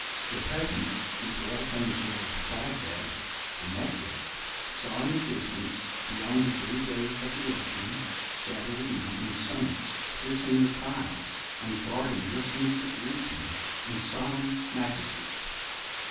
The peasant who dwelt on the shores of Dyfed (Demetia) saw in the distance, beyond the blue waves of the ocean, shadowy mountain summits piercing the clouds, and guarding this mystic region in solemn majesty.